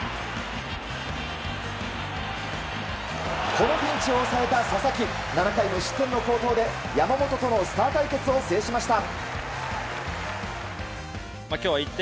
このピンチを抑えた佐々木７回無失点の好投で山本とのスター対決を制しました。